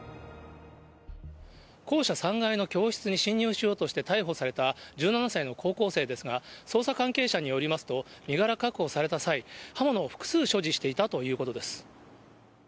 校舎３階の教室に侵入しようとして逮捕された１７歳の高校生ですが、捜査関係者によりますと、身柄確保された際、刃物を複数所持していたということです。